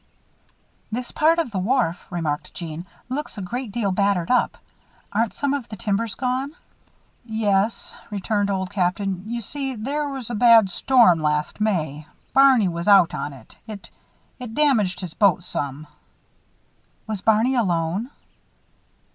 "This part of the wharf," remarked Jeanne, "looks a great deal battered up. Aren't some of the timbers gone?" "Yes," returned Old Captain. "You see there was a bad storm last May Barney was out in it. It it damaged his boat some." "Was Barney alone?"